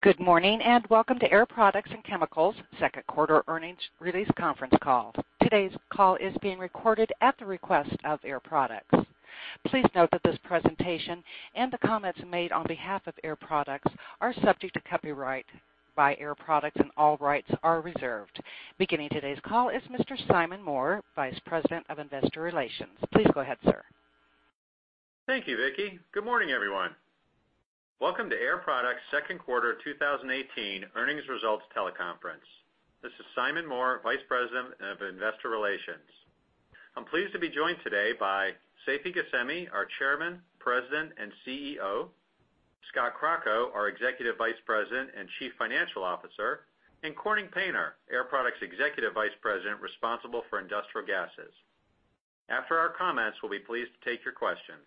Good morning, and welcome to Air Products and Chemicals second quarter earnings release conference call. Today's call is being recorded at the request of Air Products. Please note that this presentation and the comments made on behalf of Air Products are subject to copyright by Air Products, and all rights are reserved. Beginning today's call is Mr. Simon Moore, Vice President of Investor Relations. Please go ahead, sir. Thank you, Vicky. Good morning, everyone. Welcome to Air Products' second quarter 2018 earnings results teleconference. This is Simon Moore, Vice President of Investor Relations. I'm pleased to be joined today by Seifi Ghasemi, our Chairman, President, and CEO, Scott Crocco, our Executive Vice President and Chief Financial Officer, and Corning Painter, Air Products Executive Vice President responsible for industrial gases. After our comments, we'll be pleased to take your questions.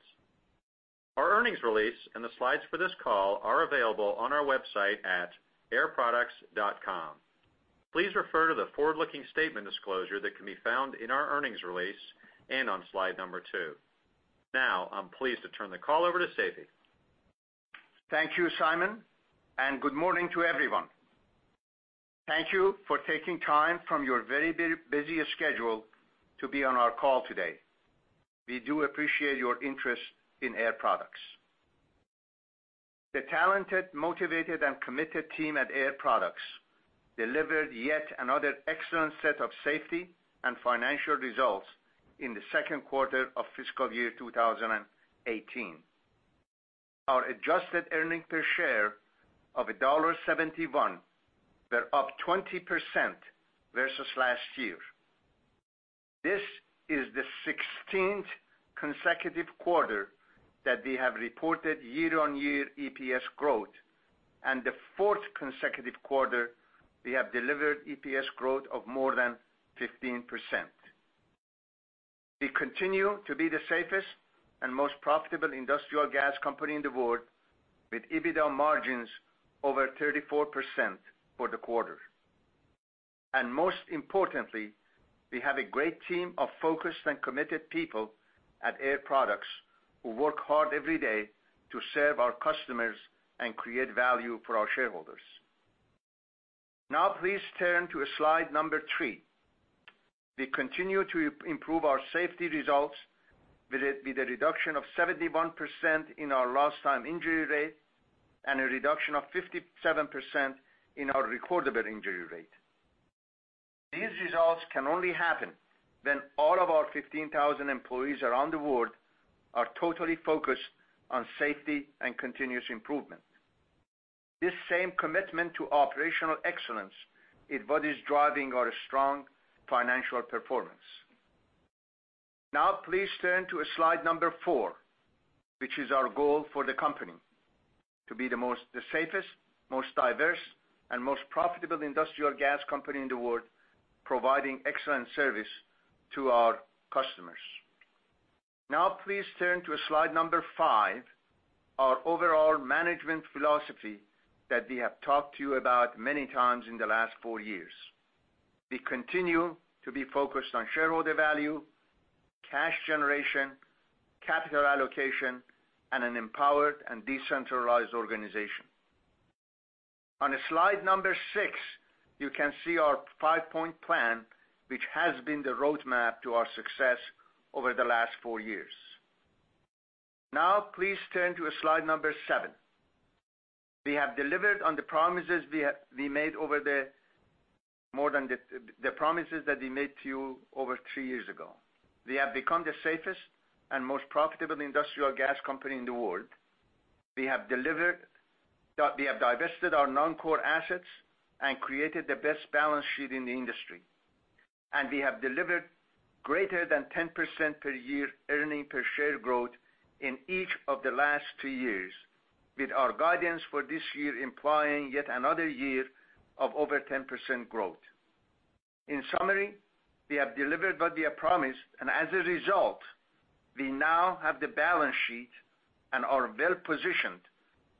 Our earnings release and the slides for this call are available on our website at airproducts.com. Please refer to the forward-looking statement disclosure that can be found in our earnings release and on slide number two. I'm pleased to turn the call over to Seifi. Thank you, Simon, and good morning to everyone. Thank you for taking time from your very busy schedule to be on our call today. We do appreciate your interest in Air Products. The talented, motivated, and committed team at Air Products delivered yet another excellent set of safety and financial results in the second quarter of fiscal year 2018. Our adjusted earnings per share of $1.71 were up 20% versus last year. This is the 16th consecutive quarter that we have reported year-on-year EPS growth and the fourth consecutive quarter we have delivered EPS growth of more than 15%. We continue to be the safest and most profitable industrial gas company in the world, with EBITDA margins over 34% for the quarter. Most importantly, we have a great team of focused and committed people at Air Products who work hard every day to serve our customers and create value for our shareholders. Please turn to slide number three. We continue to improve our safety results with a reduction of 71% in our lost time injury rate and a reduction of 57% in our recordable injury rate. These results can only happen when all of our 15,000 employees around the world are totally focused on safety and continuous improvement. This same commitment to operational excellence is what is driving our strong financial performance. Please turn to slide number four, which is our goal for the company. To be the safest, most diverse, and most profitable industrial gas company in the world, providing excellent service to our customers. Now, please turn to slide number five, our overall management philosophy that we have talked to you about many times in the last four years. We continue to be focused on shareholder value, cash generation, capital allocation, and an empowered and decentralized organization. On slide number six, you can see our five-point plan, which has been the roadmap to our success over the last four years. Now, please turn to slide number seven. We have delivered on the promises that we made to you over three years ago. We have become the safest and most profitable industrial gas company in the world. We have divested our non-core assets and created the best balance sheet in the industry. We have delivered greater than 10% per year earning per share growth in each of the last two years, with our guidance for this year implying yet another year of over 10% growth. In summary, we have delivered what we have promised, and as a result, we now have the balance sheet and are well-positioned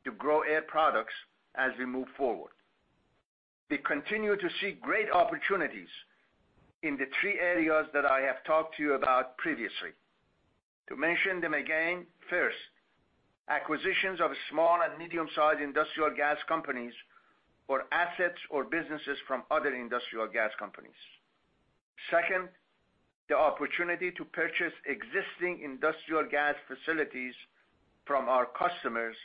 to grow Air Products as we move forward. We continue to see great opportunities in the three areas that I have talked to you about previously. To mention them again, first, acquisitions of small and medium-sized industrial gas companies or assets or businesses from other industrial gas companies. Second, the opportunity to purchase existing industrial gas facilities from our customers,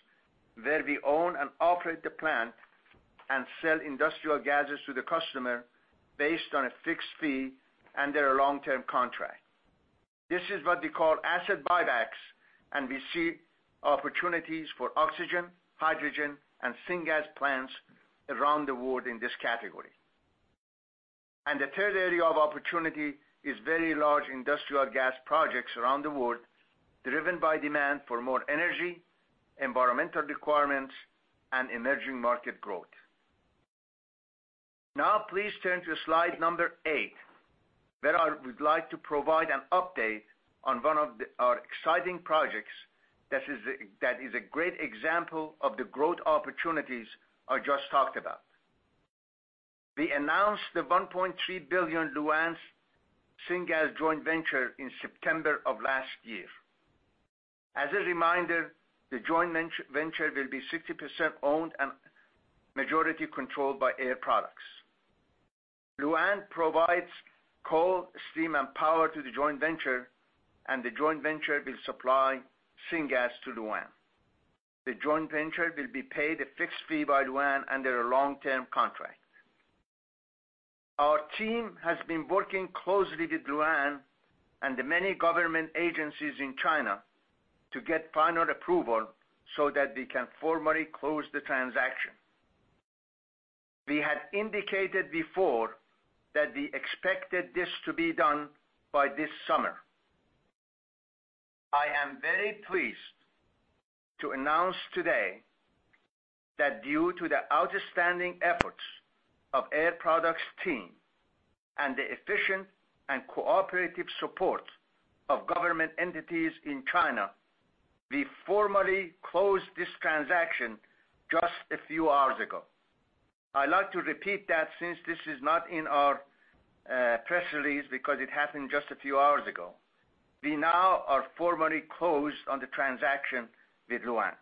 where we own and operate the plant and sell industrial gases to the customer based on a fixed fee and their long-term contract. This is what we call asset buybacks, and we see opportunities for oxygen, hydrogen, and syngas plants around the world in this category. The third area of opportunity is very large industrial gas projects around the world, driven by demand for more energy, environmental requirements, and emerging market growth. Now, please turn to slide number eight, where I would like to provide an update on one of our exciting projects that is a great example of the growth opportunities I just talked about. We announced the $1.3 billion Lu'an syngas joint venture in September of last year. As a reminder, the joint venture will be 60% owned and majority controlled by Air Products. Lu'an provides coal, steam, and power to the joint venture, and the joint venture will supply syngas to Lu'an. The joint venture will be paid a fixed fee by Lu'an under a long-term contract. Our team has been working closely with Lu'an and the many government agencies in China to get final approval so that we can formally close the transaction. We had indicated before that we expected this to be done by this summer. I am very pleased to announce today that due to the outstanding efforts of Air Products' team and the efficient and cooperative support of government entities in China, we formally closed this transaction just a few hours ago. I'd like to repeat that since this is not in our press release because it happened just a few hours ago. We now are formally closed on the transaction with Lu'an,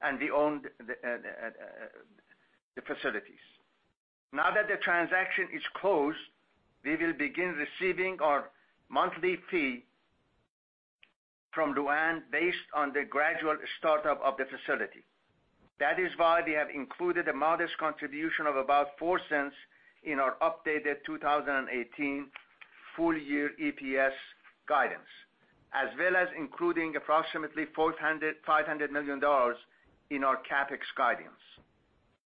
and we own the facilities. Now that the transaction is closed, we will begin receiving our monthly fee from Lu'an based on the gradual startup of the facility. That is why we have included a modest contribution of about $0.04 in our updated 2018 full year EPS guidance, as well as including approximately $500 million in our CapEx guidance.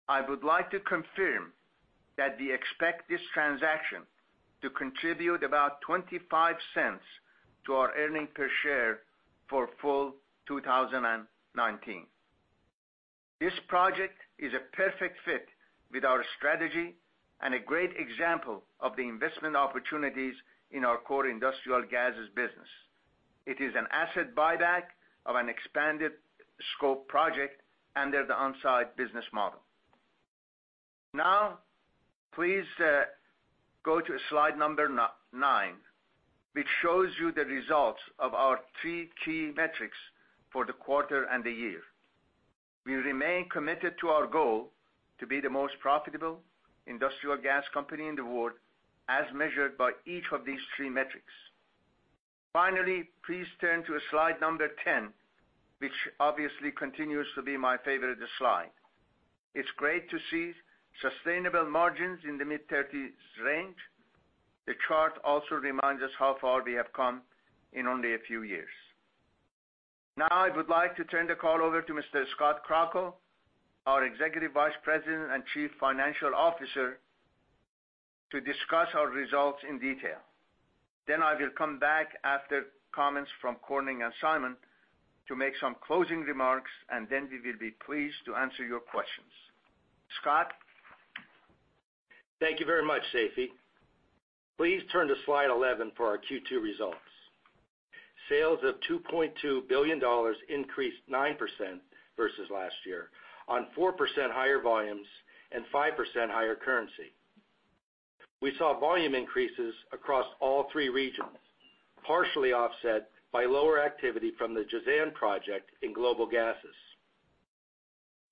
I would like to confirm that we expect this transaction to contribute about $0.25 to our earning per share for full 2019. This project is a perfect fit with our strategy and a great example of the investment opportunities in our core industrial gases business. It is an asset buyback of an expanded scope project under the on-site business model. Please go to slide number nine, which shows you the results of our three key metrics for the quarter and the year. We remain committed to our goal to be the most profitable industrial gas company in the world, as measured by each of these three metrics. Please turn to slide number 10, which obviously continues to be my favorite slide. It's great to see sustainable margins in the mid-30s range. The chart also reminds us how far we have come in only a few years. I would like to turn the call over to Mr. Scott Crocco, our Executive Vice President and Chief Financial Officer, to discuss our results in detail. I will come back after comments from Corning and Simon to make some closing remarks. We will be pleased to answer your questions. Scott? Thank you very much, Seifi. Please turn to slide 11 for our Q2 results. Sales of $2.2 billion increased 9% versus last year on 4% higher volumes and 5% higher currency. We saw volume increases across all three regions, partially offset by lower activity from the Jazan project in Global Gases.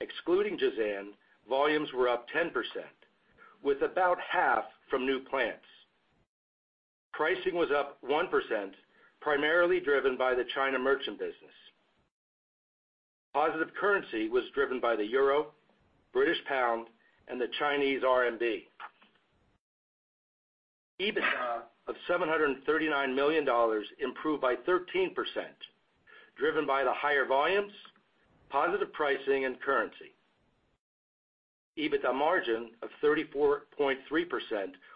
Excluding Jazan, volumes were up 10%, with about half from new plants. Pricing was up 1%, primarily driven by the China merchant business. Positive currency was driven by the euro, British pound, and the Chinese RMB. EBITDA of $739 million improved by 13%, driven by the higher volumes, positive pricing, and currency. EBITDA margin of 34.3%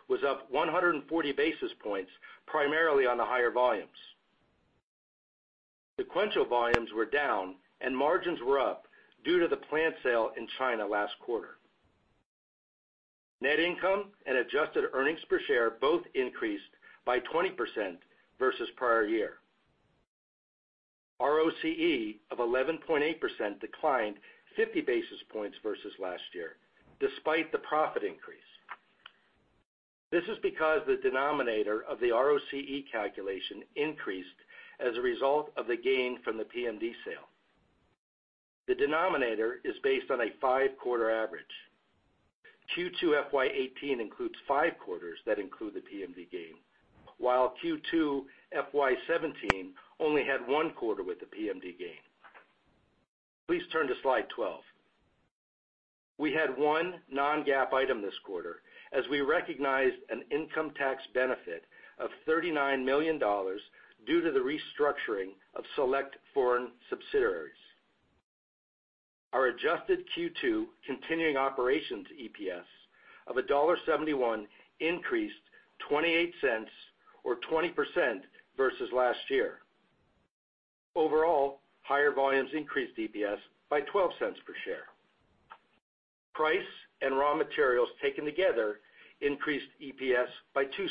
was up 140 basis points, primarily on the higher volumes. Sequential volumes were down and margins were up due to the plant sale in China last quarter. Net income and adjusted earnings per share both increased by 20% versus prior year. ROCE of 11.8% declined 50 basis points versus last year, despite the profit increase. This is because the denominator of the ROCE calculation increased as a result of the gain from the PMD sale. The denominator is based on a five-quarter average. Q2 FY 2018 includes five quarters that include the PMD gain, while Q2 FY 2017 only had one quarter with the PMD gain. Please turn to slide 12. We had one non-GAAP item this quarter, as we recognized an income tax benefit of $39 million due to the restructuring of select foreign subsidiaries. Our adjusted Q2 continuing operations EPS of $1.71 increased $0.28 or 20% versus last year. Overall, higher volumes increased EPS by $0.12 per share. Price and raw materials taken together increased EPS by $0.02.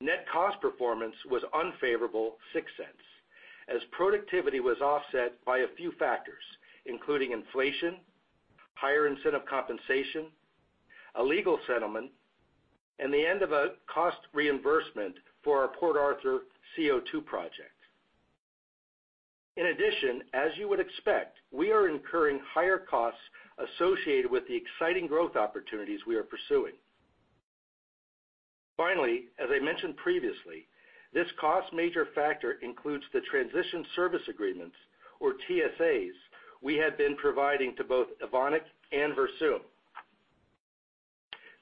Net cost performance was unfavorable $0.06 as productivity was offset by a few factors, including inflation, higher incentive compensation, a legal settlement, and the end of a cost reimbursement for our Port Arthur CO2 project. In addition, as you would expect, we are incurring higher costs associated with the exciting growth opportunities we are pursuing. Finally, as I mentioned previously, this cost major factor includes the Transition Service Agreements, or TSAs, we have been providing to both Evonik and Versum.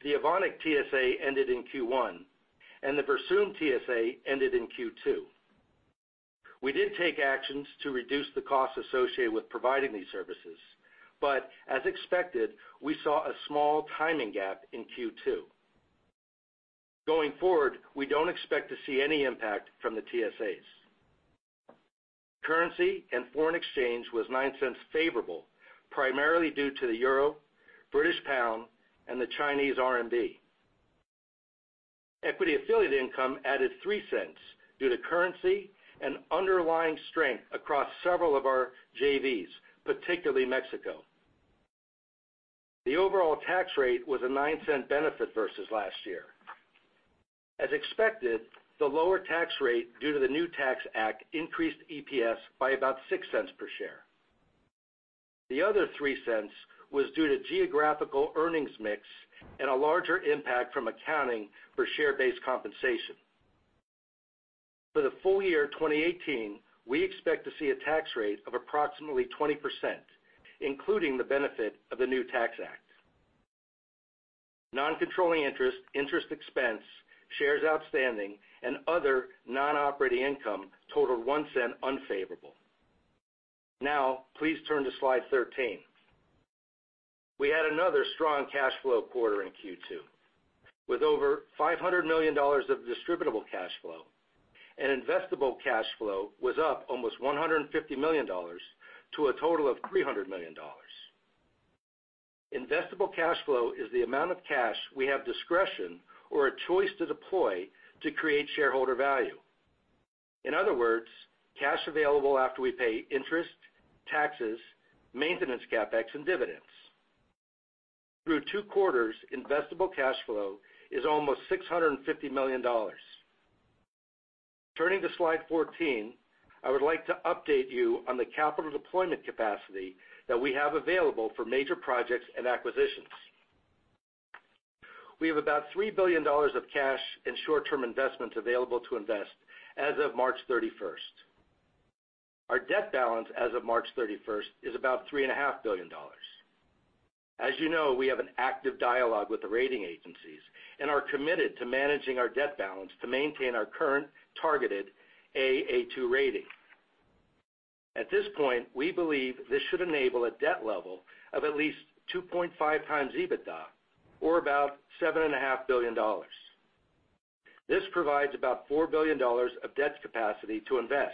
The Evonik TSA ended in Q1, and the Versum TSA ended in Q2. We did take actions to reduce the costs associated with providing these services. As expected, we saw a small timing gap in Q2. Going forward, we don't expect to see any impact from the TSAs. Currency and foreign exchange was $0.09 favorable, primarily due to the euro, British pound, and the Chinese RMB. Equity affiliate income added $0.03 due to currency and underlying strength across several of our JVs, particularly Mexico. The overall tax rate was a $0.09 benefit versus last year. As expected, the lower tax rate due to the new tax act increased EPS by about $0.06 per share. The other $0.03 was due to geographical earnings mix and a larger impact from accounting for share-based compensation. For the full year 2018, we expect to see a tax rate of approximately 20%, including the benefit of the new tax act. Non-controlling interest expense, shares outstanding, and other non-operating income totaled $0.01 unfavorable. Now please turn to slide 13. We had another strong cash flow quarter in Q2. With over $500 million of distributable cash flow and investable cash flow was up almost $150 million to a total of $300 million. Investable cash flow is the amount of cash we have discretion or a choice to deploy to create shareholder value. In other words, cash available after we pay interest, taxes, maintenance, CapEx, and dividends. Through two quarters, investable cash flow is almost $650 million. Turning to slide 14, I would like to update you on the capital deployment capacity that we have available for major projects and acquisitions. We have about $3 billion of cash and short-term investments available to invest as of March 31st. Our debt balance as of March 31st is about $3.5 billion. As you know, we have an active dialogue with the rating agencies and are committed to managing our debt balance to maintain our current targeted Aa2 rating. At this point, we believe this should enable a debt level of at least 2.5 times EBITDA or about $7.5 billion. This provides about $4 billion of debt capacity to invest.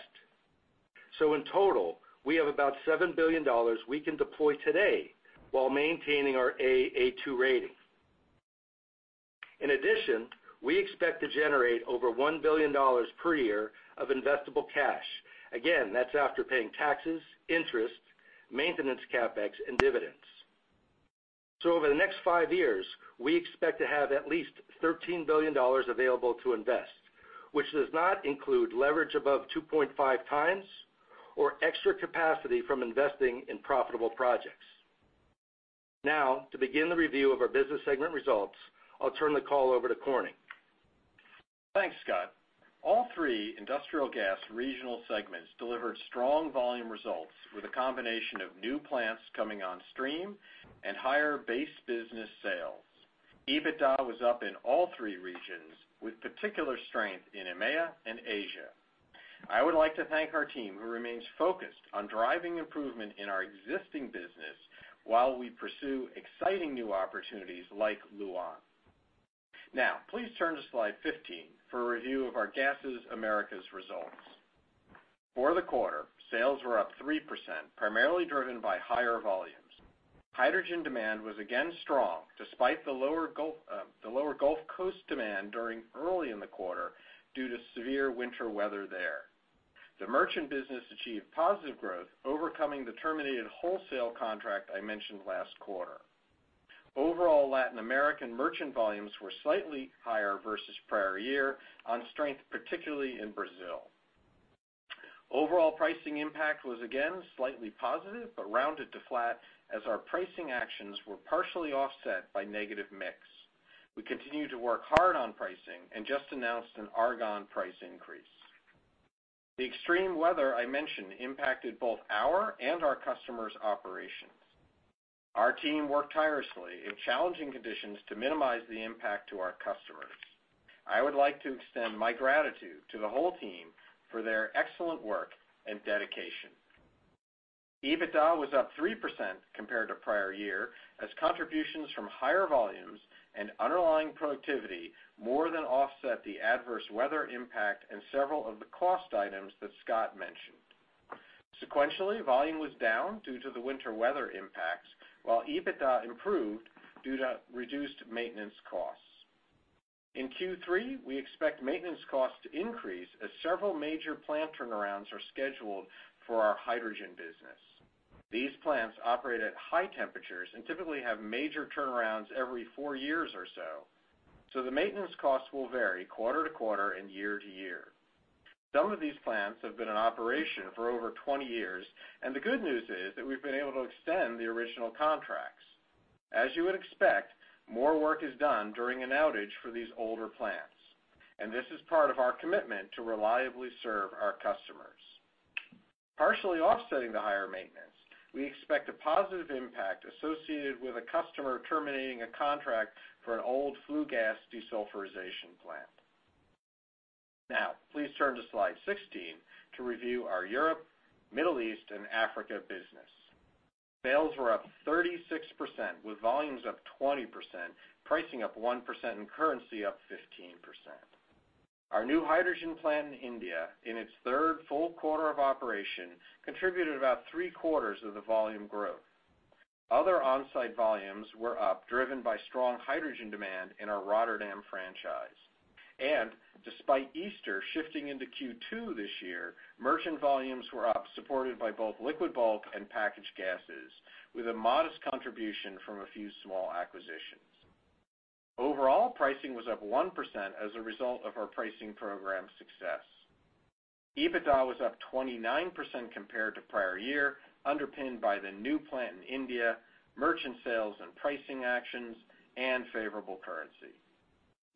In total, we have about $7 billion we can deploy today while maintaining our Aa2 rating. In addition, we expect to generate over $1 billion per year of investable cash. Again, that's after paying taxes, interest, maintenance CapEx, and dividends. Over the next five years, we expect to have at least $13 billion available to invest, which does not include leverage above 2.5 times or extra capacity from investing in profitable projects. Now, to begin the review of our business segment results, I'll turn the call over to Corning. Thanks, Scott. All three Industrial Gases regional segments delivered strong volume results with a combination of new plants coming on stream and higher base business sales. EBITDA was up in all three regions, with particular strength in EMEA and Asia. I would like to thank our team, who remains focused on driving improvement in our existing business while we pursue exciting new opportunities like Lu'an. Now, please turn to slide 15 for a review of our Industrial Gases - Americas results. For the quarter, sales were up 3%, primarily driven by higher volumes. Hydrogen demand was again strong despite the lower Gulf Coast demand during early in the quarter due to severe winter weather there. The merchant business achieved positive growth, overcoming the terminated wholesale contract I mentioned last quarter. Overall Latin American merchant volumes were slightly higher versus prior year on strength, particularly in Brazil. Overall pricing impact was again slightly positive, but rounded to flat as our pricing actions were partially offset by negative mix. We continue to work hard on pricing and just announced an argon price increase. The extreme weather I mentioned impacted both our and our customers' operations. Our team worked tirelessly in challenging conditions to minimize the impact to our customers. I would like to extend my gratitude to the whole team for their excellent work and dedication. EBITDA was up 3% compared to prior year, as contributions from higher volumes and underlying productivity more than offset the adverse weather impact and several of the cost items that Scott mentioned. Sequentially, volume was down due to the winter weather impacts, while EBITDA improved due to reduced maintenance costs. In Q3, we expect maintenance costs to increase as several major plant turnarounds are scheduled for our hydrogen business. These plants operate at high temperatures and typically have major turnarounds every four years or so. The maintenance costs will vary quarter to quarter and year to year. Some of these plants have been in operation for over 20 years, and the good news is that we've been able to extend the original contracts. As you would expect, more work is done during an outage for these older plants, and this is part of our commitment to reliably serve our customers. Partially offsetting the higher maintenance, we expect a positive impact associated with a customer terminating a contract for an old flue gas desulfurization plant. Now, please turn to slide 16 to review our Europe, Middle East, and Africa business. Sales were up 36%, with volumes up 20%, pricing up 1%, and currency up 15%. Our new hydrogen plant in India, in its third full quarter of operation, contributed about three-quarters of the volume growth. Other on-site volumes were up, driven by strong hydrogen demand in our Rotterdam franchise. Despite Easter shifting into Q2 this year, merchant volumes were up, supported by both liquid bulk and packaged gases, with a modest contribution from a few small acquisitions. Overall, pricing was up 1% as a result of our pricing program's success. EBITDA was up 29% compared to prior year, underpinned by the new plant in India, merchant sales and pricing actions, and favorable currency.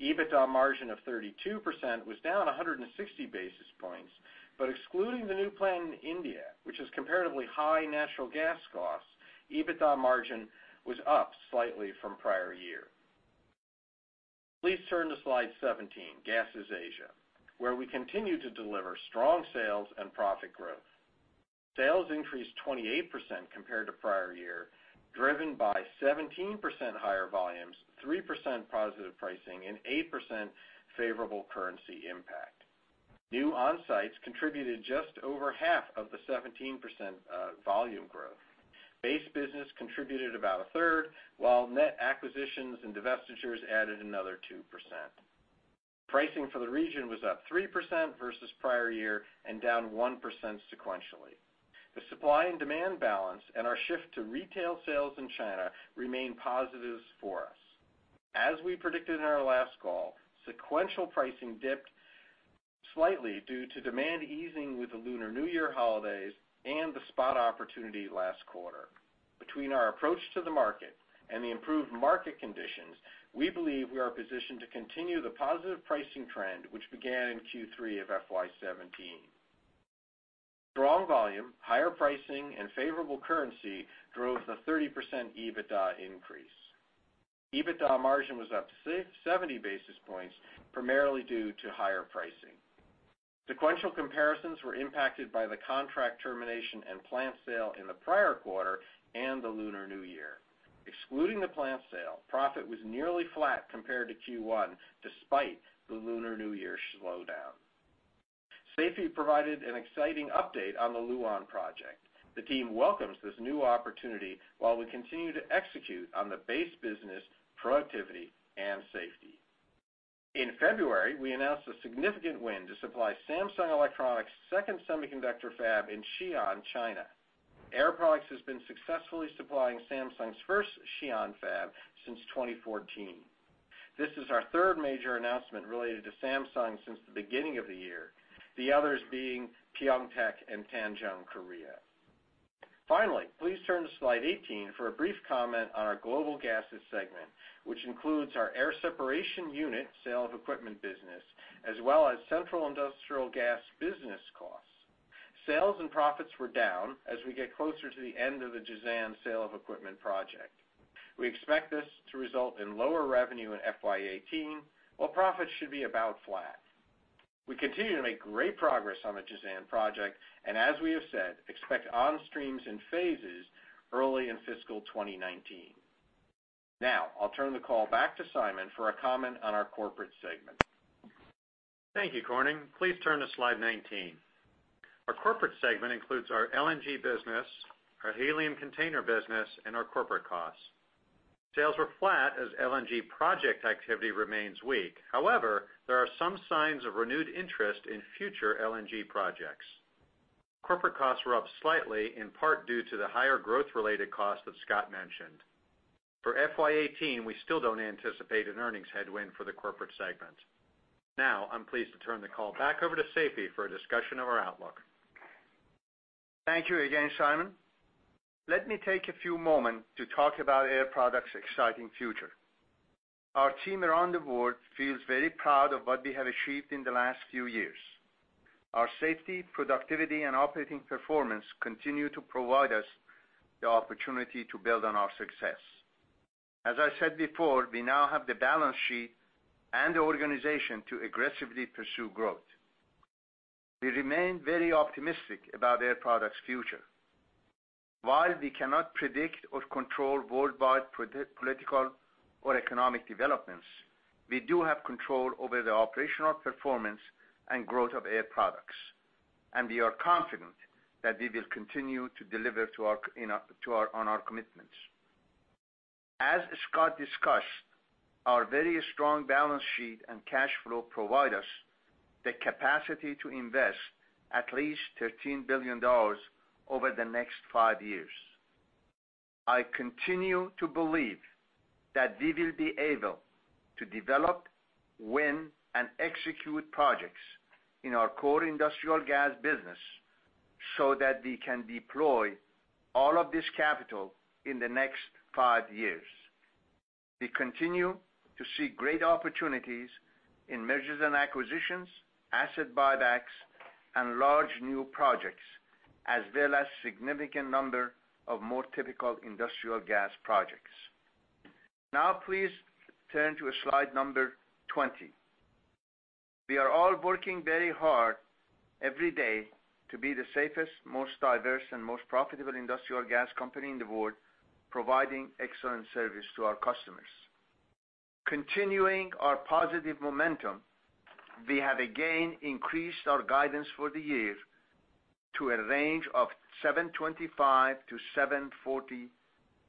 EBITDA margin of 32% was down 160 basis points, but excluding the new plant in India, which has comparatively high natural gas costs, EBITDA margin was up slightly from prior year. Please turn to slide 17, Industrial Gases - Asia, where we continue to deliver strong sales and profit growth. Sales increased 28% compared to prior year, driven by 17% higher volumes, 3% positive pricing, and 8% favorable currency impact. New on-sites contributed just over half of the 17% volume growth. Base business contributed about a third, while net acquisitions and divestitures added another 2%. Pricing for the region was up 3% versus prior year and down 1% sequentially. The supply and demand balance and our shift to retail sales in China remain positives for us. As we predicted in our last call, sequential pricing dipped slightly due to demand easing with the Lunar New Year holidays and the spot opportunity last quarter. Between our approach to the market and the improved market conditions, we believe we are positioned to continue the positive pricing trend, which began in Q3 of FY 2017. Strong volume, higher pricing, and favorable currency drove the 30% EBITDA increase. EBITDA margin was up 70 basis points, primarily due to higher pricing. Sequential comparisons were impacted by the contract termination and plant sale in the prior quarter and the Lunar New Year. Excluding the plant sale, profit was nearly flat compared to Q1, despite the Lunar New Year slowdown. Seifi provided an exciting update on the Lu'an project. The team welcomes this new opportunity while we continue to execute on the base business productivity and safety. In February, we announced a significant win to supply Samsung Electronics' second semiconductor fab in Xi'an, China. Air Products has been successfully supplying Samsung's first Xi'an fab since 2014. This is our third major announcement related to Samsung since the beginning of the year, the others being Pyeongtaek and Tangjeong, Korea. Please turn to slide 18 for a brief comment on our Global Gases segment, which includes our Air Separation Unit sale of equipment business, as well as central industrial gas business costs. Sales and profits were down as we get closer to the end of the Jazan sale of equipment project. We expect this to result in lower revenue in FY 2018, while profits should be about flat. We continue to make great progress on the Jazan project, and as we have said, expect onstreams in phases early in fiscal 2019. I'll turn the call back to Simon for a comment on our corporate segment. Thank you, Corning. Please turn to slide 19. Our corporate segment includes our LNG business, our helium container business, and our corporate costs. Sales were flat as LNG project activity remains weak. There are some signs of renewed interest in future LNG projects. Corporate costs were up slightly, in part due to the higher growth-related cost that Scott mentioned. For FY 2018, we still don't anticipate an earnings headwind for the corporate segment. I'm pleased to turn the call back over to Seifi for a discussion of our outlook. Thank you again, Simon. Let me take a few moment to talk about Air Products' exciting future. Our team around the world feels very proud of what we have achieved in the last few years. Our safety, productivity, and operating performance continue to provide us the opportunity to build on our success. As I said before, we now have the balance sheet and the organization to aggressively pursue growth. We remain very optimistic about Air Products' future. While we cannot predict or control worldwide political or economic developments, we do have control over the operational performance and growth of Air Products, and we are confident that we will continue to deliver on our commitments. As Scott discussed, our very strong balance sheet and cash flow provide us the capacity to invest at least $13 billion over the next five years. I continue to believe that we will be able to develop, win, and execute projects in our core industrial gas business so that we can deploy all of this capital in the next five years. We continue to see great opportunities in mergers and acquisitions, asset buybacks, and large new projects, as well as significant number of more typical industrial gas projects. Please turn to slide number 20. We are all working very hard every day to be the safest, most diverse and most profitable industrial gas company in the world, providing excellent service to our customers. Continuing our positive momentum, we have again increased our guidance for the year to a range of $7.25-$7.40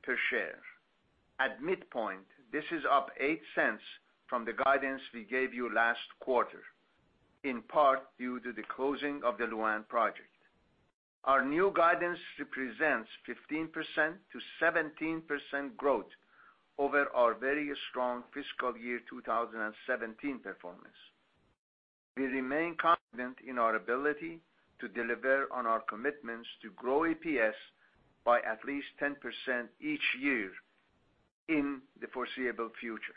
per share. At midpoint, this is up $0.08 from the guidance we gave you last quarter, in part due to the closing of the Lu'an project. Our new guidance represents 15%-17% growth over our very strong fiscal year 2017 performance. We remain confident in our ability to deliver on our commitments to grow EPS by at least 10% each year in the foreseeable future.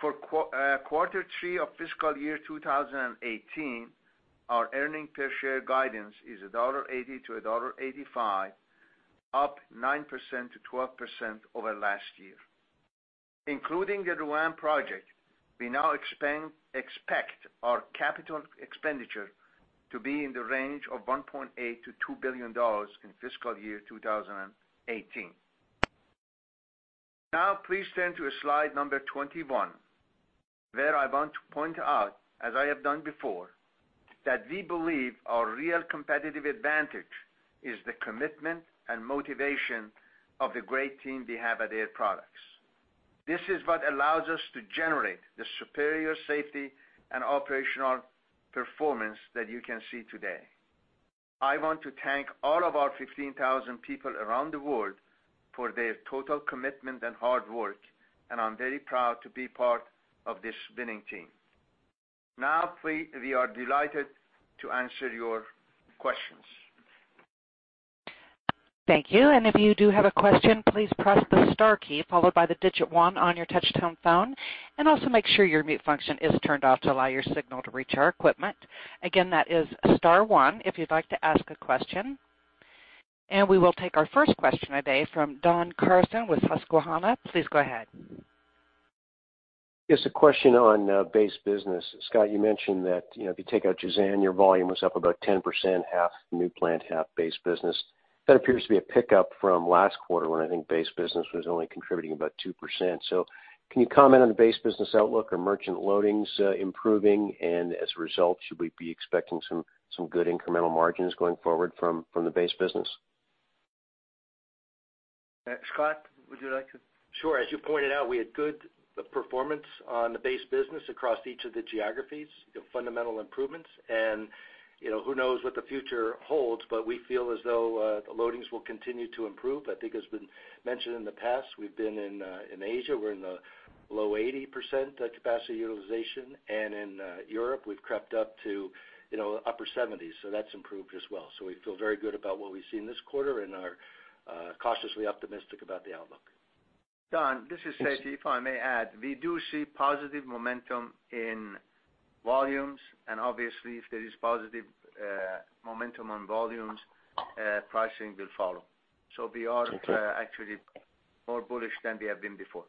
For quarter three of fiscal year 2018, our earning per share guidance is $1.80-$1.85, up 9%-12% over last year. Including the Lu'an project, we now expect our capital expenditure to be in the range of $1.8 billion-$2 billion in fiscal year 2018. Please turn to slide number 21, where I want to point out, as I have done before, that we believe our real competitive advantage is the commitment and motivation of the great team we have at Air Products. This is what allows us to generate the superior safety and operational performance that you can see today. I want to thank all of our 15,000 people around the world for their total commitment and hard work, and I'm very proud to be part of this winning team. We are delighted to answer your questions. Thank you. If you do have a question, please press the star key followed by the digit one on your touch-tone phone, and also make sure your mute function is turned off to allow your signal to reach our equipment. Again, that is star one if you'd like to ask a question. We will take our first question of day from Don Carson with Susquehanna. Please go ahead. Yes, a question on base business. Scott, you mentioned that if you take out Jazan, your volume was up about 10%, half new plant, half base business. That appears to be a pickup from last quarter, when I think base business was only contributing about 2%. Can you comment on the base business outlook? Are merchant loadings improving? As a result, should we be expecting some good incremental margins going forward from the base business? Scott, would you like to? Sure. As you pointed out, we had good performance on the base business across each of the geographies, fundamental improvements. Who knows what the future holds, but we feel as though the loadings will continue to improve. I think as we mentioned in the past, we've been in Asia. We're in the low 80% capacity utilization. In Europe, we've crept up to upper 70s, so that's improved as well. We feel very good about what we've seen this quarter and are cautiously optimistic about the outlook. Don, this is Seifi. I may add, we do see positive momentum in volumes, obviously if there is positive momentum on volumes, pricing will follow. Okay. We are actually more bullish than we have been before.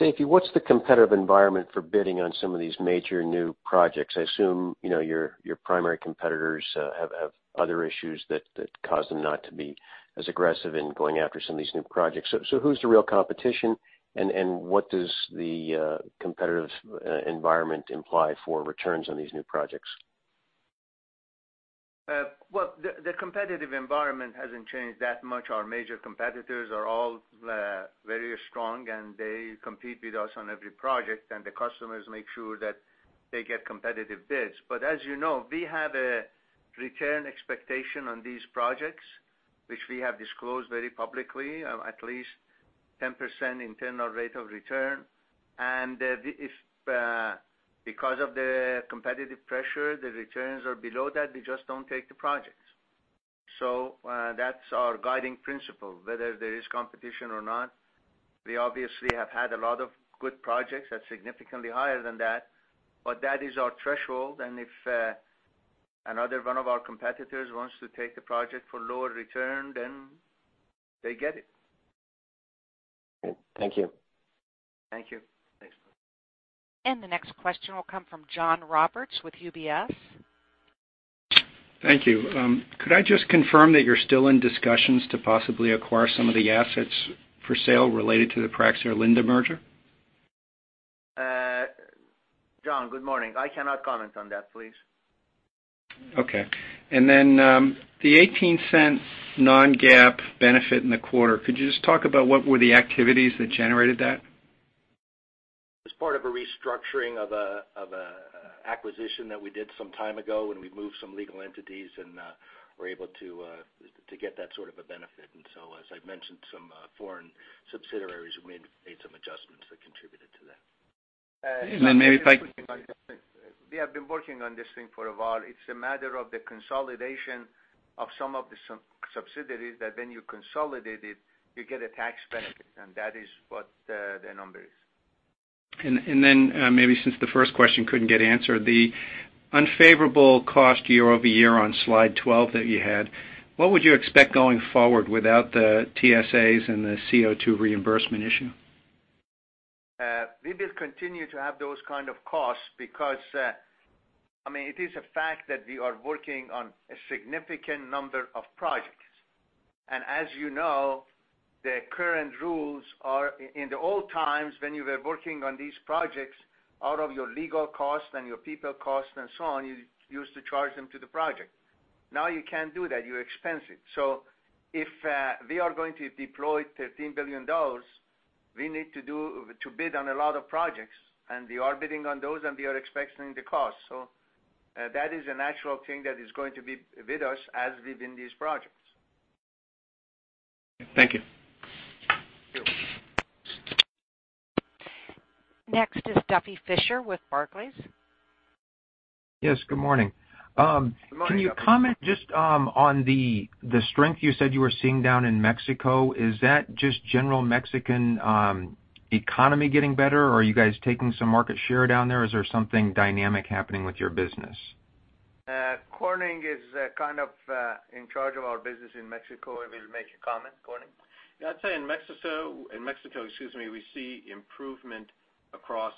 Seifi, what's the competitive environment for bidding on some of these major new projects? I assume your primary competitors have other issues that cause them not to be as aggressive in going after some of these new projects. Who's the real competition, and what does the competitive environment imply for returns on these new projects? Well, the competitive environment hasn't changed that much. Our major competitors are all very strong, they compete with us on every project, and the customers make sure that they get competitive bids. As you know, we have a return expectation on these projects, which we have disclosed very publicly, at least 10% internal rate of return. Because of the competitive pressure, the returns are below that, we just don't take the projects. That's our guiding principle, whether there is competition or not. We obviously have had a lot of good projects that's significantly higher than that. That is our threshold, if another one of our competitors wants to take the project for lower return, then they get it. Great. Thank you. Thank you. Thanks. The next question will come from John Roberts with UBS. Thank you. Could I just confirm that you're still in discussions to possibly acquire some of the assets for sale related to the Praxair Linde merger? John, good morning. I cannot comment on that, please. Okay. Then, the $0.18 non-GAAP benefit in the quarter, could you just talk about what were the activities that generated that? It's part of a restructuring of a acquisition that we did some time ago when we moved some legal entities, and we're able to get that sort of a benefit. So, as I've mentioned, some foreign subsidiaries, we made some adjustments that contributed to that. Then maybe if I- We have been working on this thing for a while. It's a matter of the consolidation of some of the subsidiaries that when you consolidate it, you get a tax benefit. That is what the number is. Maybe since the first question couldn't get answered, the unfavorable cost year-over-year on slide 12 that you had, what would you expect going forward without the TSAs and the CO2 reimbursement issue? We will continue to have those kind of costs because it is a fact that we are working on a significant number of projects. As you know, the current rules are, in the old times when you were working on these projects, out of your legal cost and your people cost and so on, you used to charge them to the project. Now you can't do that, you expense it. If we are going to deploy $13 billion, we need to bid on a lot of projects, and we are bidding on those, and we are expecting the cost. That is a natural thing that is going to be with us as we win these projects. Thank you. Thank you. Next is Duffy Fischer with Barclays. Yes, good morning. Good morning, Duffy. Can you comment just on the strength you said you were seeing down in Mexico? Is that just general Mexican economy getting better, or are you guys taking some market share down there? Is there something dynamic happening with your business? Corning is kind of in charge of our business in Mexico. He will make a comment. Corning. Yeah, I'd say in Mexico, we see improvement across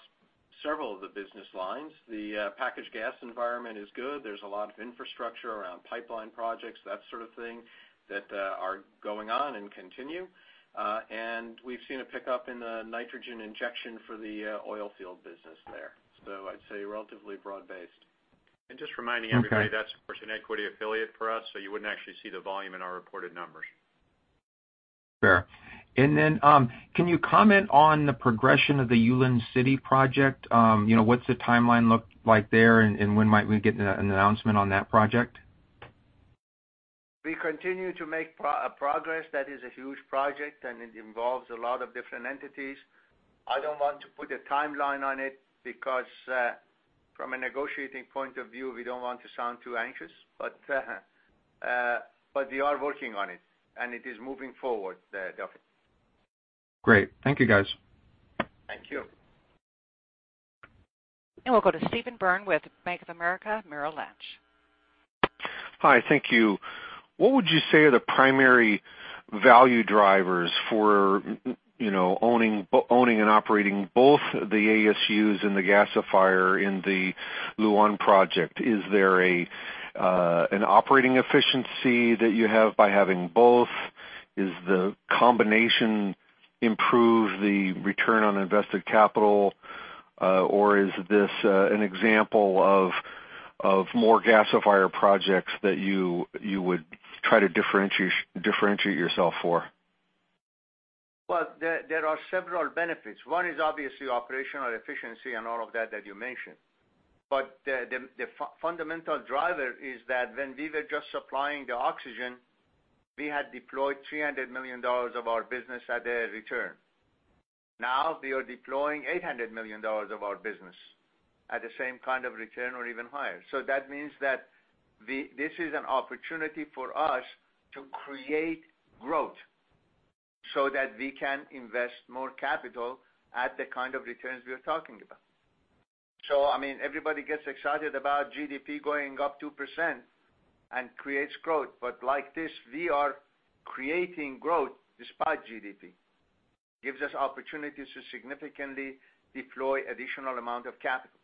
several of the business lines. The packaged gas environment is good. There's a lot of infrastructure around pipeline projects, that sort of thing, that are going on and continue. We've seen a pickup in the nitrogen injection for the oil field business there. I'd say relatively broad-based. Okay. Just reminding everybody, that's of course an equity affiliate for us, so you wouldn't actually see the volume in our reported numbers. Sure. Can you comment on the progression of the Yulin City project? What's the timeline look like there, and when might we get an announcement on that project? We continue to make progress. That is a huge project, and it involves a lot of different entities. I don't want to put a timeline on it because, from a negotiating point of view, we don't want to sound too anxious. We are working on it, and it is moving forward, Duffy. Great. Thank you, guys. Thank you. We'll go to Steve Byrne with Bank of America Merrill Lynch. Hi, thank you. What would you say are the primary value drivers for owning and operating both the ASUs and the gasifier in the Lu'an project? Is there an operating efficiency that you have by having both? Is the combination improve the return on invested capital? Is this an example of more gasifier projects that you would try to differentiate yourself for? Well, there are several benefits. One is obviously operational efficiency and all of that that you mentioned. The fundamental driver is that when we were just supplying the oxygen, we had deployed $300 million of our business at a return. Now, we are deploying $800 million of our business at the same kind of return or even higher. That means that this is an opportunity for us to create growth so that we can invest more capital at the kind of returns we are talking about. Everybody gets excited about GDP going up 2% and creates growth. Like this, we are creating growth despite GDP. Gives us opportunities to significantly deploy additional amount of capital.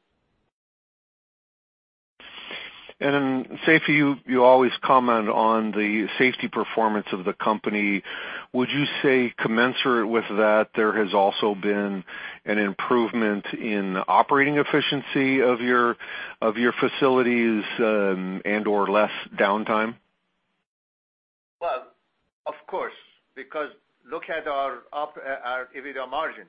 Seifi, you always comment on the safety performance of the company. Would you say commensurate with that, there has also been an improvement in operating efficiency of your facilities and/or less downtime? Well, of course, because look at our EBITDA margin.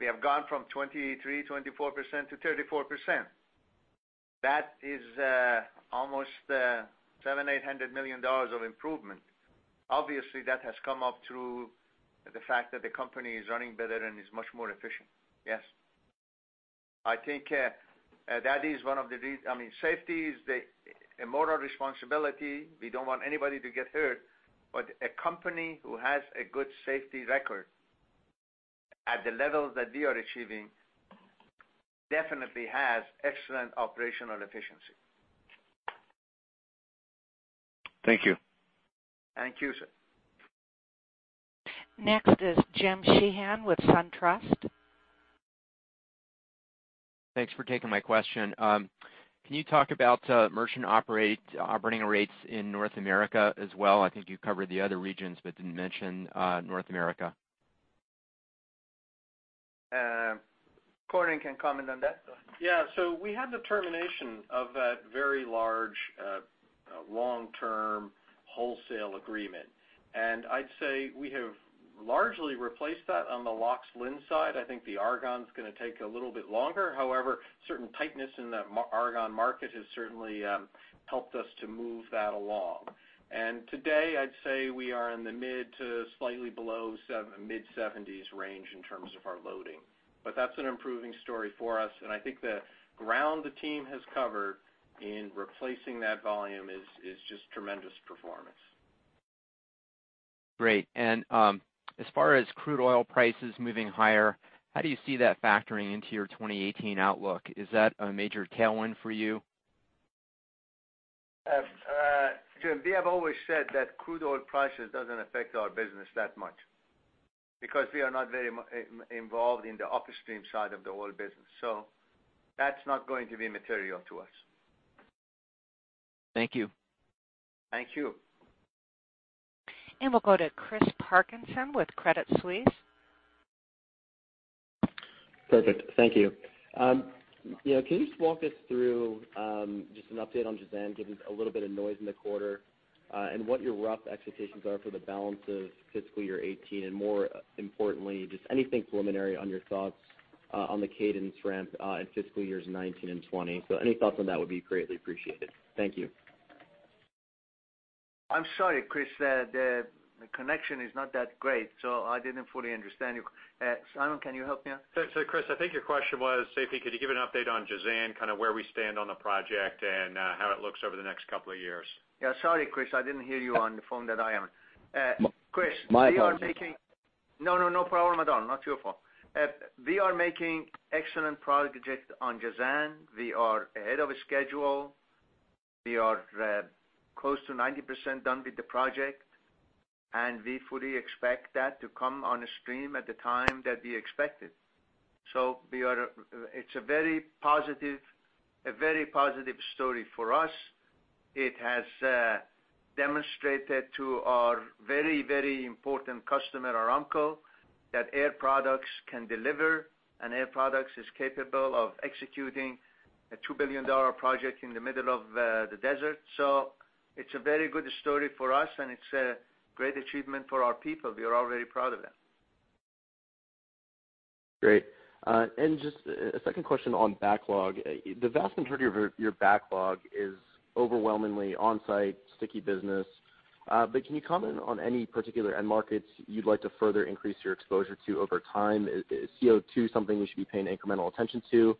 We have gone from 23%, 24% to 34%. That is almost $700 million, $800 million of improvement. That has come up through the fact that the company is running better and is much more efficient. Yes. I think safety is a moral responsibility. We don't want anybody to get hurt. A company who has a good safety record at the level that we are achieving definitely has excellent operational efficiency. Thank you. Thank you, sir. Next is Jim Sheehan with SunTrust. Thanks for taking my question. Can you talk about merchant operating rates in North America as well? I think you covered the other regions but didn't mention North America. Corning can comment on that. Go ahead. Yeah. We had the termination of that very large, long-term wholesale agreement. I'd say we have largely replaced that on the LOX/LIN side. I think the argon is going to take a little bit longer. However, certain tightness in the argon market has certainly helped us to move that along. Today, I'd say we are in the mid to slightly below mid-seventies range in terms of our loading. That's an improving story for us, and I think the ground the team has covered in replacing that volume is just tremendous performance. Great. As far as crude oil prices moving higher, how do you see that factoring into your 2018 outlook? Is that a major tailwind for you? Jim, we have always said that crude oil prices doesn't affect our business that much because we are not very involved in the upstream side of the oil business. That's not going to be material to us. Thank you. Thank you. We'll go to Chris Parkinson with Credit Suisse. Perfect. Thank you. Can you just walk us through just an update on Jazan, given a little bit of noise in the quarter, and what your rough expectations are for the balance of fiscal year 2018, and more importantly, just anything preliminary on your thoughts on the cadence ramp in fiscal years 2019 and 2020. Any thoughts on that would be greatly appreciated. Thank you. I'm sorry, Chris. The connection is not that great, so I didn't fully understand you. Simon, can you help me out? Chris, I think your question was, Seifi, could you give an update on Jazan, kind of where we stand on the project, and how it looks over the next couple of years? Yeah. Sorry, Chris, I didn't hear you on the phone that I am. My apologies. No, no problem at all. Not your fault. We are making excellent progress on Jazan. We are ahead of schedule. We are close to 90% done with the project, and we fully expect that to come on stream at the time that we expected. It's a very positive story for us. It has demonstrated to our very important customer, Aramco, that Air Products can deliver, and Air Products is capable of executing a $2 billion project in the middle of the desert. It's a very good story for us, and it's a great achievement for our people. We are all very proud of that. Great. Just a second question on backlog. The vast majority of your backlog is overwhelmingly on-site sticky business. Can you comment on any particular end markets you'd like to further increase your exposure to over time? Is CO2 something you should be paying incremental attention to,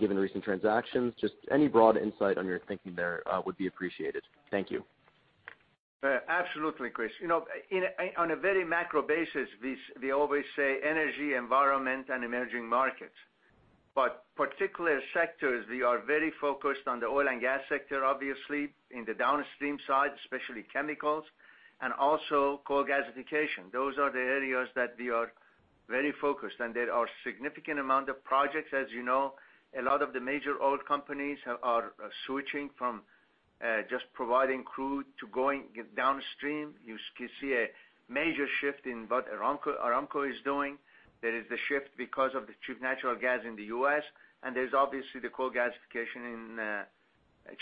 given recent transactions? Just any broad insight on your thinking there would be appreciated. Thank you. Absolutely, Chris. On a very macro basis, we always say energy, environment, and emerging markets. Particular sectors, we are very focused on the oil and gas sector, obviously, in the downstream side, especially chemicals, and also coal gasification. Those are the areas that we are very focused, and there are significant amount of projects. As you know, a lot of the major oil companies are switching from just providing crude to going downstream. You see a major shift in what Aramco is doing. There is the shift because of the cheap natural gas in the U.S., and there's obviously the coal gasification in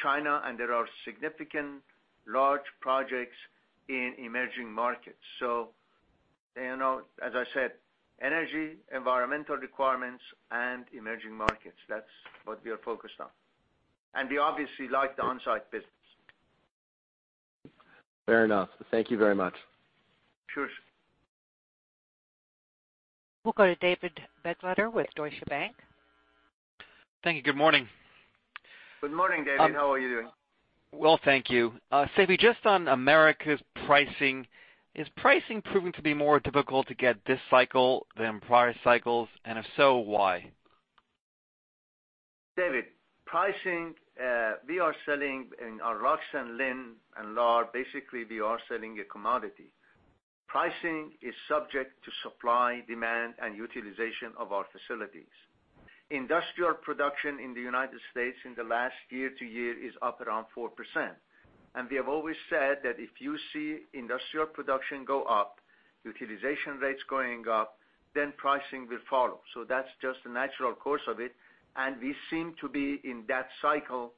China, and there are significant large projects in emerging markets. As I said, energy, environmental requirements, and emerging markets. That's what we are focused on. We obviously like the on-site business. Fair enough. Thank you very much. Sure. We'll go to David Begleiter with Deutsche Bank. Thank you. Good morning. Good morning, David. How are you doing? Well, thank you. Seifi, just on Americas pricing. Is pricing proving to be more difficult to get this cycle than prior cycles? If so, why? David, pricing, we are selling in our LOX and LIN and LAR. Basically, we are selling a commodity. Pricing is subject to supply, demand, and utilization of our facilities. Industrial production in the U.S. in the last year-to-year is up around 4%. We have always said that if you see industrial production go up, utilization rates going up, then pricing will follow. That's just the natural course of it, and we seem to be in that cycle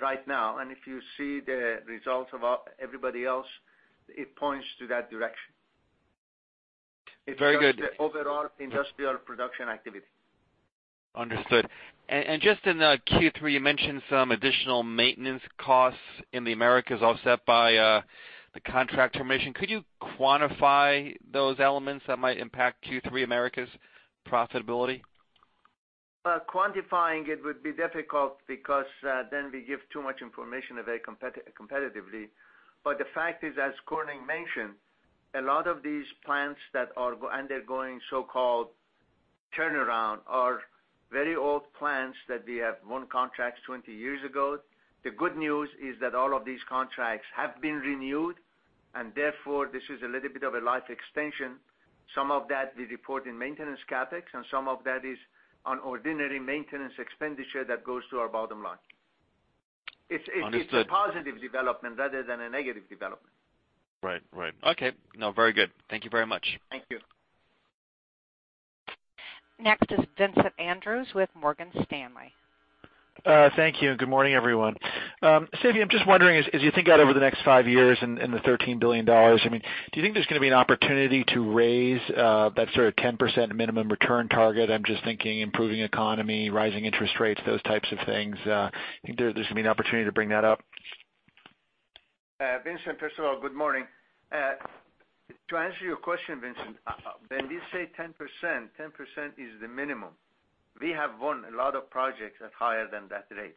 right now. If you see the results of everybody else, it points to that direction. Very good. It's just the overall industrial production activity. Understood. Just in the Q3, you mentioned some additional maintenance costs in the Americas offset by the contract termination. Could you quantify those elements that might impact Q3 Americas profitability? Quantifying it would be difficult because then we give too much information very competitively. The fact is, as Corning mentioned, a lot of these plants that are undergoing so-called turnaround are very old plants that we have won contracts 20 years ago. The good news is that all of these contracts have been renewed, therefore, this is a little bit of a life extension. Some of that we report in maintenance CapEx, some of that is on ordinary maintenance expenditure that goes to our bottom line. Understood. It's a positive development rather than a negative development. Right. Okay. Very good. Thank you very much. Thank you. Next is Vincent Andrews with Morgan Stanley. Thank you, good morning, everyone. Seifi, I'm just wondering, as you think out over the next five years and the $13 billion, do you think there's going to be an opportunity to raise that sort of 10% minimum return target? I'm just thinking improving economy, rising interest rates, those types of things. You think there's going to be an opportunity to bring that up? Vincent, first of all, good morning. To answer your question, Vincent, when we say 10%, 10% is the minimum. We have won a lot of projects at higher than that rate.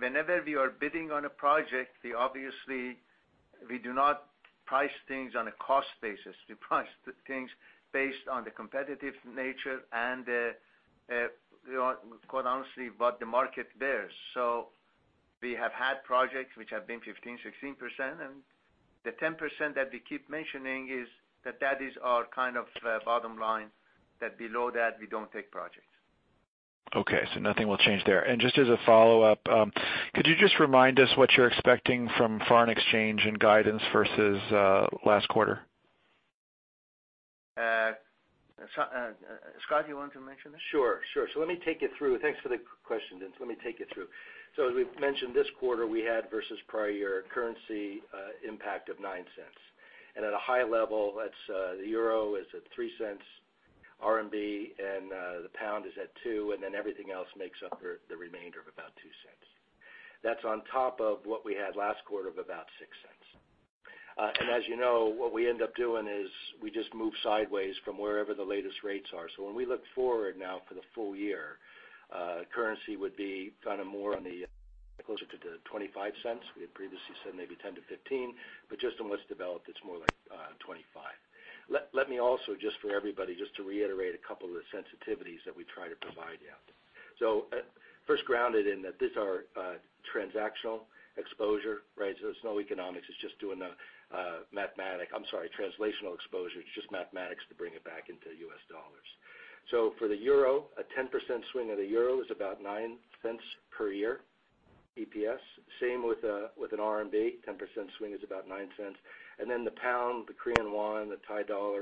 Whenever we are bidding on a project, we obviously do not price things on a cost basis. We price the things based on the competitive nature and, quite honestly, what the market bears. We have had projects which have been 15%, 16%, and the 10% that we keep mentioning, that is our kind of bottom line, that below that, we don't take projects. Okay, nothing will change there. Just as a follow-up, could you just remind us what you're expecting from foreign exchange and guidance versus last quarter? Scott, you want to mention this? Sure. Let me take you through. Thanks for the question, Vince. Let me take you through. As we've mentioned, this quarter, we had versus prior year currency impact of $0.09. At a high level, the EUR is at $0.03, RMB and the GBP is at $0.02, and then everything else makes up the remainder of about $0.02. That's on top of what we had last quarter of about $0.06. As you know, what we end up doing is we just move sideways from wherever the latest rates are. When we look forward now for the full year, currency would be more closer to the $0.25. We had previously said maybe $0.10 to $0.15, but just on what's developed, it's more like $0.25. Let me also, just for everybody, just to reiterate a couple of the sensitivities that we try to provide you. First grounded in that this is our transactional exposure, right? There's no economics. It's just doing the translational exposure. It's just mathematics to bring it back into U.S. dollars. For the EUR, a 10% swing of the EUR is about $0.09 per year EPS. Same with an RMB, 10% swing is about $0.09. Then the GBP, the KRW, the THB,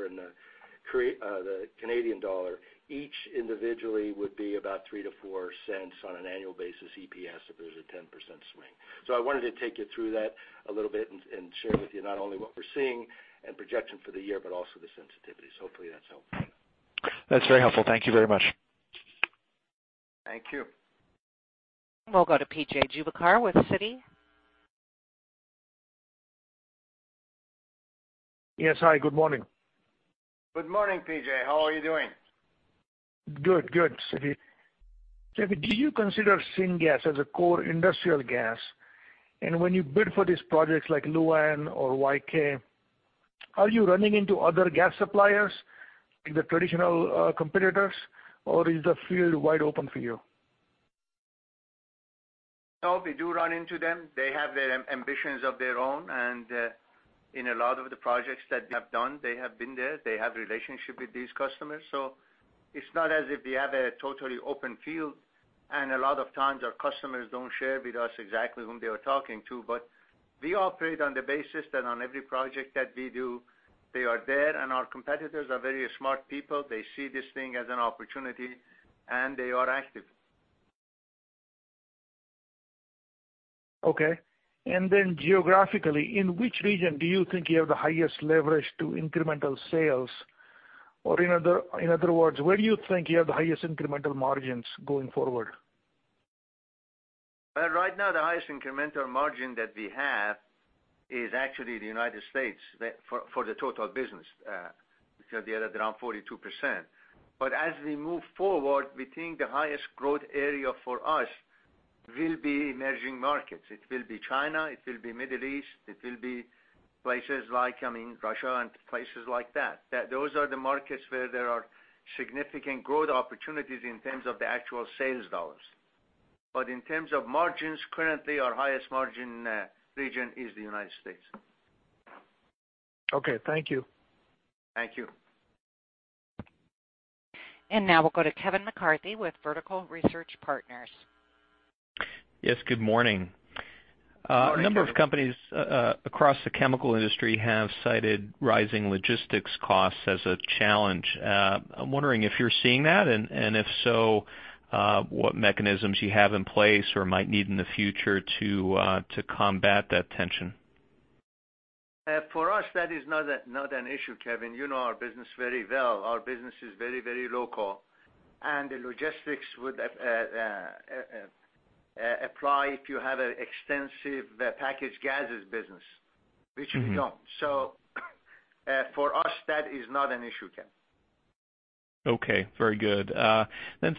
and the CAD, each individually would be about $0.03 to $0.04 on an annual basis EPS if there's a 10% swing. I wanted to take you through that a little bit and share with you not only what we're seeing and projection for the year, but also the sensitivities. Hopefully that's helpful. That's very helpful. Thank you very much. Thank you. We'll go to P.J. Juvekar with Citi. Yes, hi. Good morning. Good morning, P.J. How are you doing? Good. Seifi, do you consider syngas as a core industrial gas? When you bid for these projects like Lu'an or Yankuang, are you running into other gas suppliers, like the traditional competitors, or is the field wide open for you? No, we do run into them. They have their ambitions of their own, and in a lot of the projects that we have done, they have been there. They have relationship with these customers. It's not as if we have a totally open field, and a lot of times our customers don't share with us exactly whom they are talking to. We operate on the basis that on every project that we do, they are there, and our competitors are very smart people. They see this thing as an opportunity, and they are active. Okay. Then geographically, in which region do you think you have the highest leverage to incremental sales? Or in other words, where do you think you have the highest incremental margins going forward? Right now, the highest incremental margin that we have is actually the United States for the total business, because we are at around 42%. As we move forward, we think the highest growth area for us will be emerging markets. It will be China, it will be Middle East, it will be places like Russia and places like that. Those are the markets where there are significant growth opportunities in terms of the actual sales dollars. In terms of margins, currently our highest margin region is the United States. Okay. Thank you. Thank you. Now we'll go to Kevin McCarthy with Vertical Research Partners. Yes, good morning. Good morning. A number of companies across the chemical industry have cited rising logistics costs as a challenge. I'm wondering if you're seeing that, and if so, what mechanisms you have in place or might need in the future to combat that tension. For us, that is not an issue, Kevin. You know our business very well. Our business is very local, and the logistics would apply if you have an extensive packaged gases business, which we don't. For us, that is not an issue, Kevin.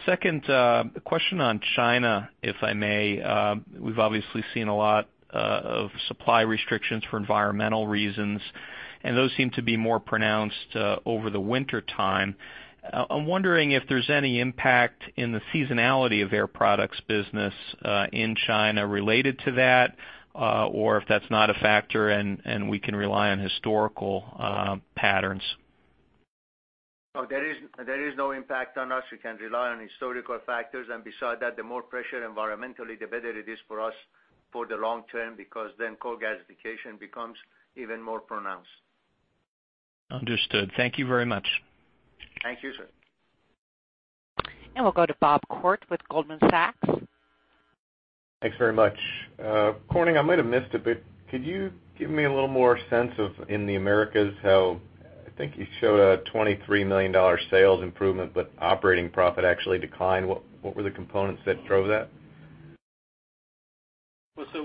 Second, a question on China, if I may. We've obviously seen a lot of supply restrictions for environmental reasons, and those seem to be more pronounced over the wintertime. I'm wondering if there's any impact in the seasonality of Air Products business in China related to that, or if that's not a factor and we can rely on historical patterns. No, there is no impact on us. We can rely on historical factors. Beside that, the more pressure environmentally, the better it is for us for the long term, because then coal gasification becomes even more pronounced. Understood. Thank you very much. Thank you, sir. We'll go to Bob Koort with Goldman Sachs. Thanks very much. Corning, I might have missed it, but could you give me a little more sense of, in the Americas, I think you showed a $23 million sales improvement, but operating profit actually declined. What were the components that drove that?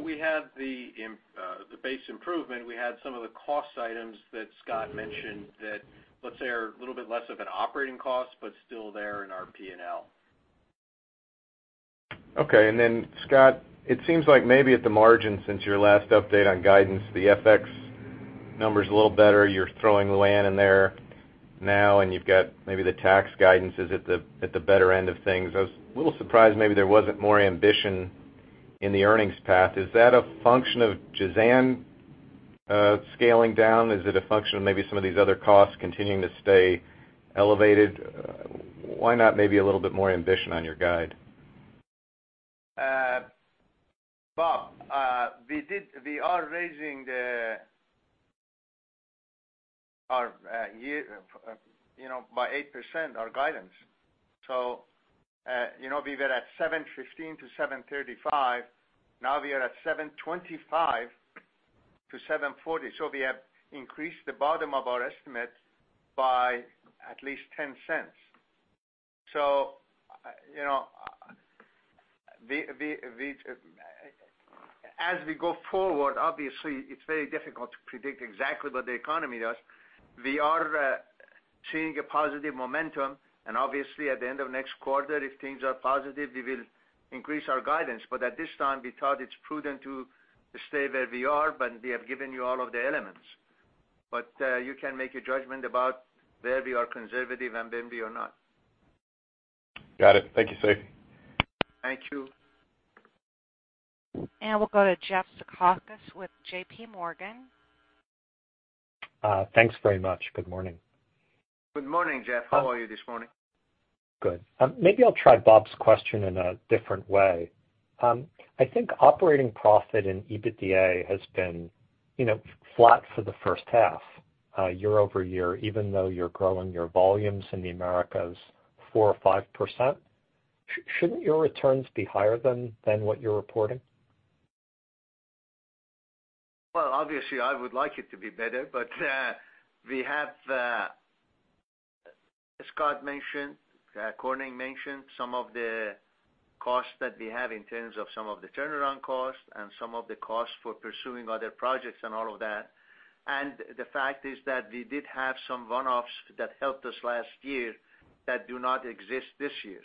We had the base improvement. We had some of the cost items that Scott mentioned that, let's say, are a little bit less of an operating cost, but still there in our P&L. Scott, it seems like maybe at the margin since your last update on guidance, the FX number's a little better. You're throwing Lu'an in there now, and you've got maybe the tax guidance is at the better end of things. I was a little surprised maybe there wasn't more ambition in the earnings path. Is that a function of Jazan scaling down? Is it a function of maybe some of these other costs continuing to stay elevated? Why not maybe a little bit more ambition on your guide? Bob, we are raising by 8% our guidance. We were at $7.15-$7.35. Now we are at $7.25-$7.40. We have increased the bottom of our estimate by at least $0.10. As we go forward, obviously, it's very difficult to predict exactly what the economy does. We are seeing a positive momentum, obviously at the end of next quarter, if things are positive, we will increase our guidance. At this time, we thought it's prudent to stay where we are, we have given you all of the elements. You can make a judgment about whether we are conservative and then we are not. Got it. Thank you, Seifi. Thank you. We'll go to Jeff Zekauskas with J.P. Morgan. Thanks very much. Good morning. Good morning, Jeff. How are you this morning? Good. Maybe I'll try Bob's question in a different way. I think operating profit and EBITDA has been flat for the first half year-over-year, even though you're growing your volumes in the Americas 4% or 5%. Shouldn't your returns be higher than what you're reporting? Well, obviously, I would like it to be better. We have, as Scott mentioned, Corning mentioned, some of the costs that we have in terms of some of the turnaround costs and some of the costs for pursuing other projects and all of that. The fact is that we did have some one-offs that helped us last year that do not exist this year.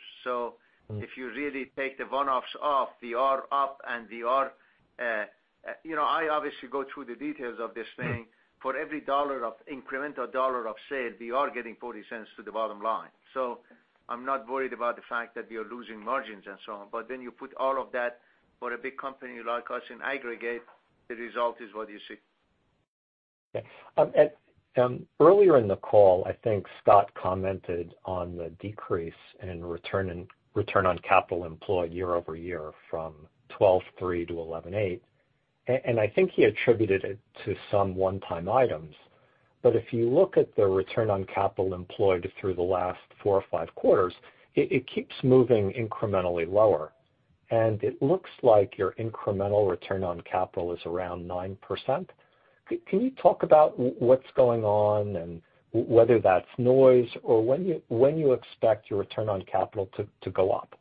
If you really take the one-offs off, we are up. I obviously go through the details of this thing. For every incremental dollar of sale, we are getting $0.40 to the bottom line. You put all of that for a big company like us in aggregate, the result is what you see. Okay. Earlier in the call, I think Scott commented on the decrease in return on capital employed year-over-year from 12.3 to 11.8, and I think he attributed it to some one-time items. If you look at the return on capital employed through the last four or five quarters, it keeps moving incrementally lower, and it looks like your incremental return on capital is around 9%. Can you talk about what's going on and whether that's noise or when you expect your return on capital to go up?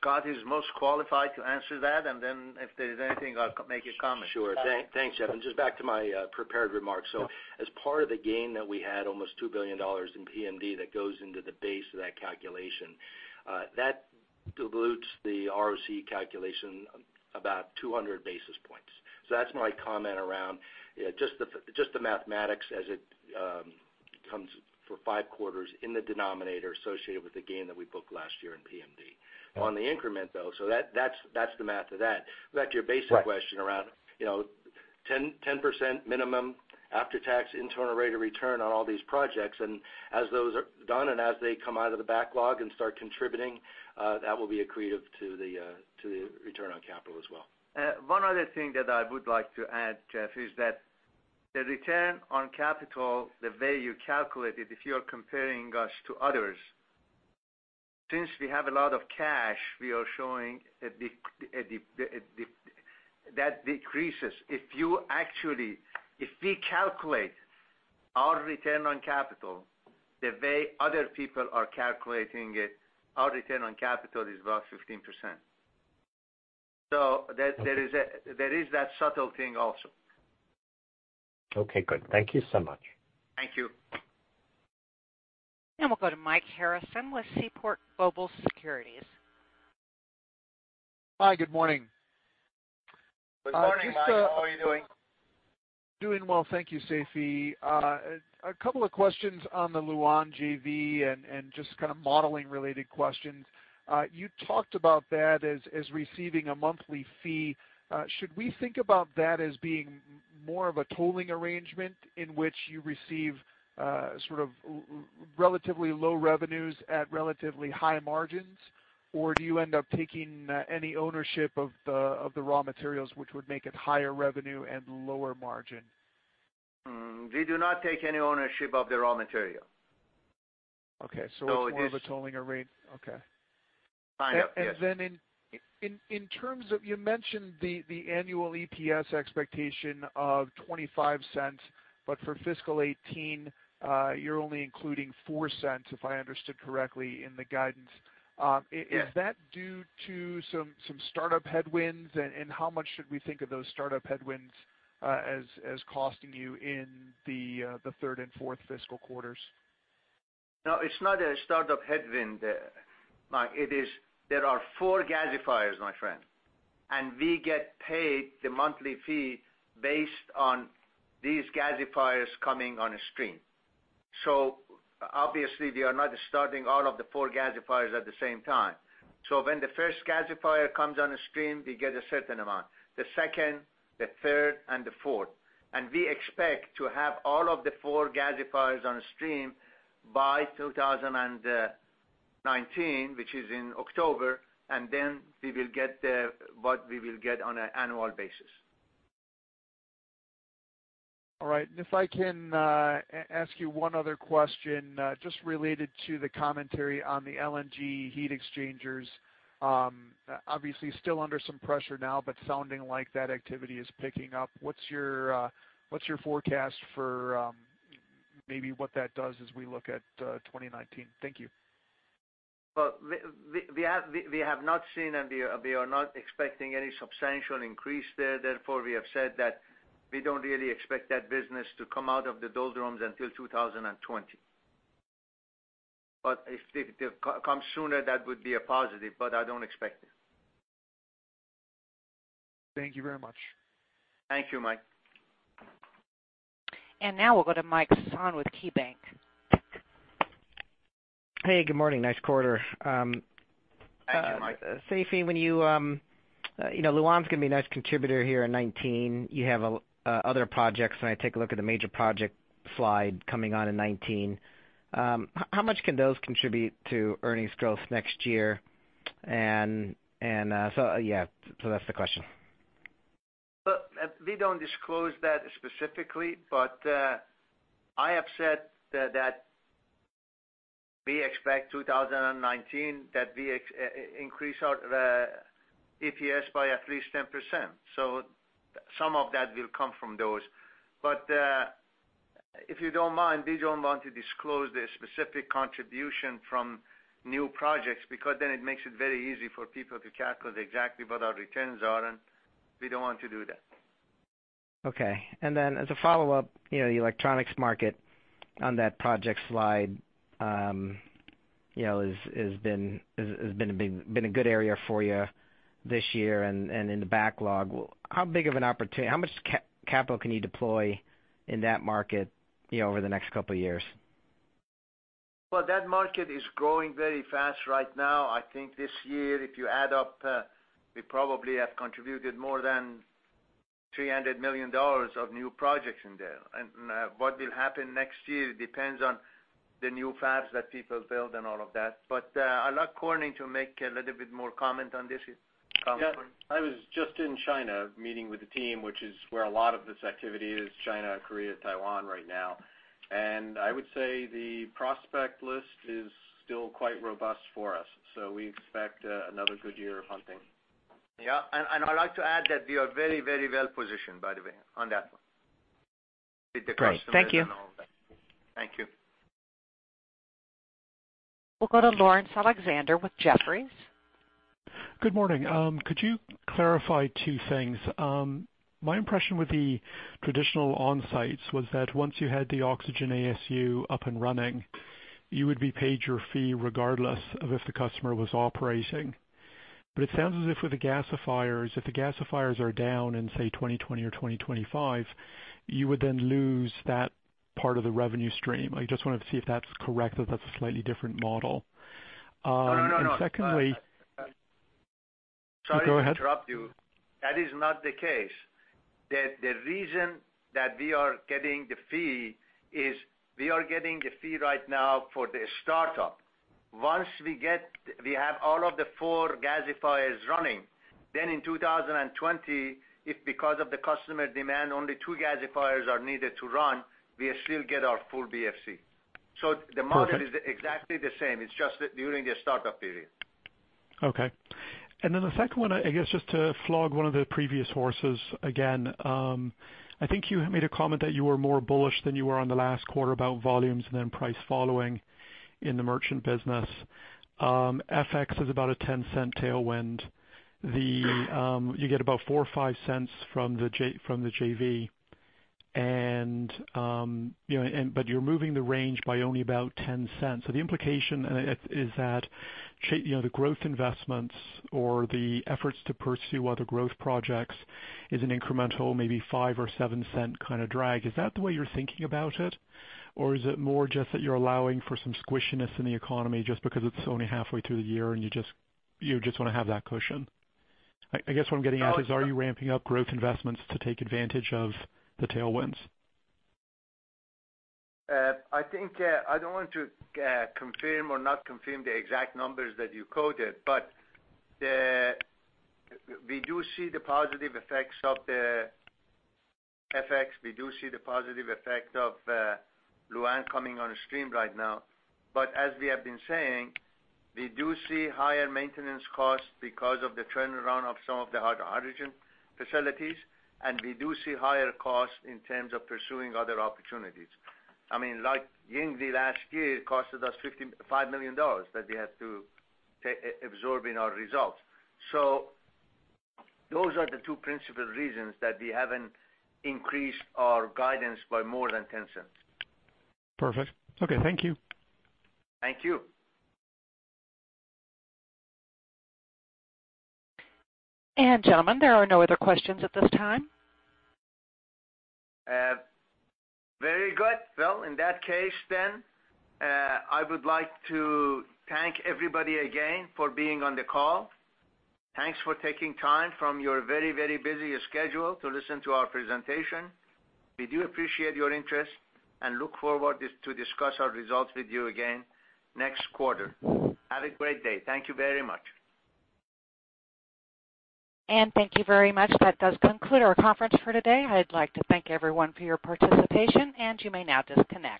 Scott is most qualified to answer that. If there is anything, I'll make a comment. Sure. Thanks, Jeff. Just back to my prepared remarks. As part of the gain that we had, almost $2 billion in PMD that goes into the base of that calculation. That dilutes the ROC calculation about 200 basis points. That's my comment around just the mathematics as it comes for five quarters in the denominator associated with the gain that we booked last year in PMD. On the increment, though, that's the math to that. Back to your basic question around 10% minimum after-tax internal rate of return on all these projects. As those are done, and as they come out of the backlog and start contributing, that will be accretive to the return on capital as well. One other thing that I would like to add, Jeff, is that the return on capital, the way you calculate it, if you're comparing us to others, since we have a lot of cash, we are showing that decreases. If we calculate our return on capital the way other people are calculating it, our return on capital is about 15%. There is that subtle thing also. Okay, good. Thank you so much. Thank you. Now we'll go to Mike Harrison with Seaport Global Securities. Hi, good morning. Good morning, Mike. How are you doing? Doing well. Thank you, Seifi. A couple of questions on the Lu'an JV and just modeling-related questions. You talked about that as receiving a monthly fee. Should we think about that as being more of a tolling arrangement in which you receive sort of relatively low revenues at relatively high margins? Or do you end up taking any ownership of the raw materials, which would make it higher revenue and lower margin? We do not take any ownership of the raw material. Okay. It's more of a tolling arrangement. Okay. Kind of, yes. You mentioned the annual EPS expectation of $0.25, but for fiscal 2018, you're only including $0.04, if I understood correctly in the guidance. Yes. Is that due to some startup headwinds? How much should we think of those startup headwinds, as costing you in the third and fourth fiscal quarters? It's not a startup headwind, Mike. There are four gasifiers, my friend, we get paid the monthly fee based on these gasifiers coming on stream. Obviously, we are not starting all of the four gasifiers at the same time. When the first gasifier comes on stream, we get a certain amount, the second, the third, and the fourth. We expect to have all of the four gasifiers on stream by 2019, which is in October, then we will get what we will get on an annual basis. All right. If I can ask you one other question, just related to the commentary on the LNG heat exchangers. Obviously, still under some pressure now, but sounding like that activity is picking up. What's your forecast for maybe what that does as we look at 2019? Thank you. Well, we have not seen, and we are not expecting any substantial increase there. Therefore, we have said that we don't really expect that business to come out of the doldrums until 2020. If it comes sooner, that would be a positive, but I don't expect it. Thank you very much. Thank you, Mike. Now we'll go to Michael Sison with KeyBank. Hey, good morning. Nice quarter. Thank you, Mike. Seifi, Lu'an's going to be a nice contributor here in 2019. You have other projects. When I take a look at the major project slide coming on in 2019. How much can those contribute to earnings growth next year? That's the question. Look, we don't disclose that specifically, but I have said that we expect 2019 that we increase our EPS by at least 10%. Some of that will come from those. If you don't mind, we don't want to disclose the specific contribution from new projects because then it makes it very easy for people to calculate exactly what our returns are, and we don't want to do that. Okay. As a follow-up, the electronics market on that project slide has been a good area for you this year and in the backlog. How much capital can you deploy in that market over the next couple of years? Well, that market is growing very fast right now. I think this year, if you add up, we probably have contributed more than $300 million of new projects in there. What will happen next year depends on the new fabs that people build and all of that. I'll ask Corning to make a little bit more comment on this. Corning. Yeah. I was just in China meeting with the team, which is where a lot of this activity is, China, Korea, Taiwan right now. I would say the prospect list is still quite robust for us. We expect another good year of hunting. Yeah. I'd like to add that we are very, very well-positioned, by the way, on that one. With the customers- Great. Thank you all of that. Thank you. We'll go to Laurence Alexander with Jefferies. Good morning. Could you clarify two things? My impression with the traditional on-sites was that once you had the oxygen ASU up and running, you would be paid your fee regardless of if the customer was operating. It sounds as if with the gasifiers, if the gasifiers are down in, say, 2020 or 2025, you would then lose that part of the revenue stream. I just wanted to see if that's correct, that's a slightly different model. No, no. Secondly. Go ahead. Sorry to interrupt you. That is not the case. The reason that we are getting the fee is we are getting the fee right now for the startup. Once we have all of the four gasifiers running, then in 2020, if because of the customer demand, only two gasifiers are needed to run, we still get our full BFC. Okay is exactly the same. It's just during the startup period. Okay. Then the second one, I guess, just to flog one of the previous horses again. I think you made a comment that you were more bullish than you were on the last quarter about volumes and then price following in the merchant business. FX is about a $0.10 tailwind. You get about $0.04 or $0.05 from the JV. You're moving the range by only about $0.10. The implication is that the growth investments or the efforts to pursue other growth projects is an incremental, maybe $0.05 or $0.07 kind of drag. Is that the way you're thinking about it? Or is it more just that you're allowing for some squishiness in the economy just because it's only halfway through the year, and you just want to have that cushion? I guess what I'm getting at is, are you ramping up growth investments to take advantage of the tailwinds? I think I don't want to confirm or not confirm the exact numbers that you quoted, we do see the positive effects of the FX. We do see the positive effect of Lu'an coming on stream right now. As we have been saying, we do see higher maintenance costs because of the turnaround of some of the hydrogen facilities, and we do see higher costs in terms of pursuing other opportunities. Like Yingde last year, it cost us $55 million that we had to absorb in our results. Those are the two principal reasons that we haven't increased our guidance by more than $0.10. Perfect. Okay. Thank you. Thank you. Gentlemen, there are no other questions at this time. Very good. Well, in that case then, I would like to thank everybody again for being on the call. Thanks for taking time from your very, very busy schedule to listen to our presentation. We do appreciate your interest and look forward to discuss our results with you again next quarter. Have a great day. Thank you very much. Thank you very much. That does conclude our conference for today. I'd like to thank everyone for your participation, and you may now disconnect.